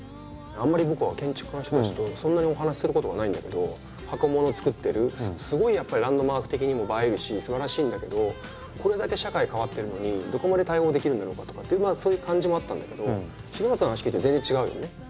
あんまり僕は建築家の人たちとそんなにお話しすることがないんだけど箱ものを作ってるすごいやっぱりランドマーク的にも映えるしすばらしいんだけどこれだけ社会変わってるのにどこまで対応できるんだろうかとかっていうそういう感じもあったんだけど重松さんの話聞いてると全然違うよね。